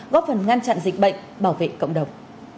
góp phần ngăn chặn dịch bệnh bảo vệ cộng đồng